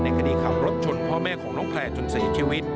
คดีขับรถชนพ่อแม่ของน้องแพร่จนเสียชีวิต